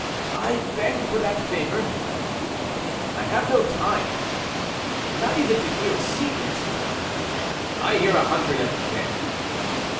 "I beg for that favor." "I have no time." "Not even to hear a secret?" "I hear a hundred every day."